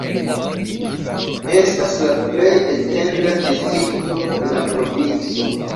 Estas la plej etenda distrikto de la provinco.